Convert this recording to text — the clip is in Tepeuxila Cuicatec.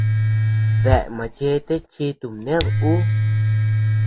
Ndá machete chi tubnéd ú.